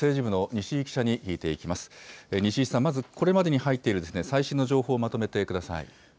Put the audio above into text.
西井さん、まずこれまでに入っている最新の情報をまとめてください。